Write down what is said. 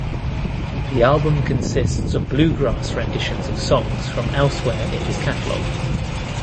The album consists of bluegrass renditions of songs from elsewhere in his catalog.